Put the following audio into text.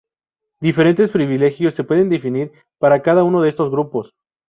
Diferentes privilegios se pueden definir para cada uno de estos grupos.